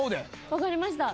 分かりました。